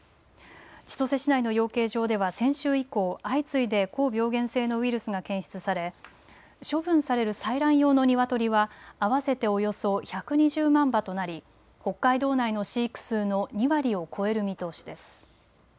千歳市内の養鶏場では先週以降、相次いで高病原性のウイルスが検出され処分される採卵用のニワトリは合わせておよそ１２０万羽となり北海道内の飼育数の２割を超える見通しです。